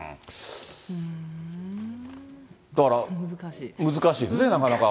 だから、難しいですね、なかなか。